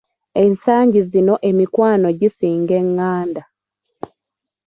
Ensangi zino emikwano gisinga eղղanda.